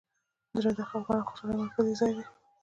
زړه د خفګان او خوشحالۍ مرکزي ځای دی.